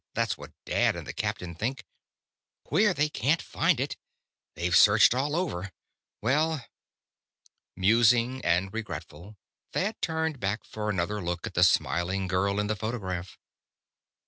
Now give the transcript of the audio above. That's what Dad and the captain think. Queer they can't find it. They've searched all over. Well...." Musing and regretful, Thad turned back for another look at the smiling girl in the photograph.